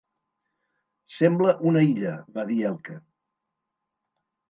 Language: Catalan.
Sembla una illa —va dir Elke—.